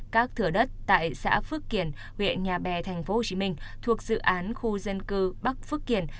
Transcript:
các thửa đất tại xã phước kiển huyện nhà bè tp hcm thuộc dự án khu dân cư bắc phước kiển